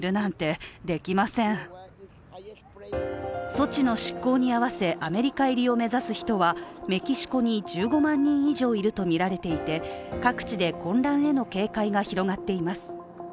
措置の失効に合わせアメリカ入りを目指す人はメキシコに１５万人以上いるとみられていて各地で混乱への警戒が広がっています。